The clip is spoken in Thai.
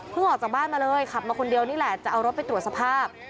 ออกจากบ้านมาเลยขับมาคนเดียวนี่แหละจะเอารถไปตรวจสภาพ